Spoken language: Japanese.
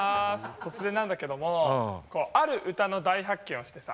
突然なんだけどもある歌の大発見をしてさ。